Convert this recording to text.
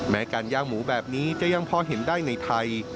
การย่างหมูแบบนี้จะยังพอเห็นได้ในไทย